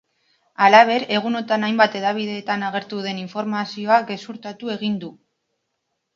Halaber, egunotan hainbat hedabideetan agertu den informazioa gezurtatu egin du.